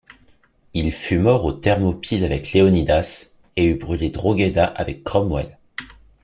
Il fût mort aux Thermopyles avec Léonidas et eût brûlé Drogheda avec Cromwell.